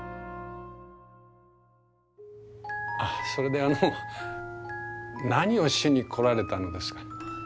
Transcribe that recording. あっそれであの何をしに来られたのですか？